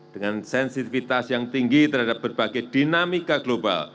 dengan sensitivitas yang tinggi terhadap berbagai dinamika global